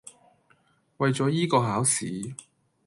為咗依個考試